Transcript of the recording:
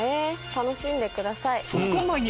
楽しんでください。